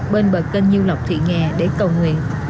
bên bờ kênh nhiêu lộc thị nghè để cầu nguyện